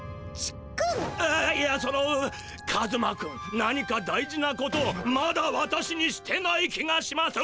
ああいやそのカズマ君何か大事なことをまだ私にしてない気がします。